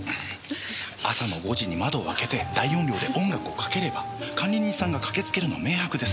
朝の５時に窓を開けて大音量で音楽をかければ管理人さんが駆けつけるのは明白です。